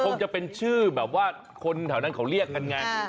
คงจะเป็นชื่อแบบว่าคนแถวนั้นเขาเรียกกันไง